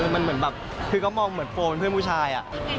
มันเหมือนแบบคือก็มองเหมือนโฟนเพื่อนผู้ชาย